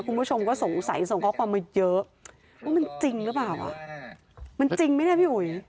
คุณผู้ชมก็สงสัยส่งข้อความมาเยอะว่ามันจริงหรือเปล่าอ่ะมันจริงไหมเนี่ยพี่อุ๋ย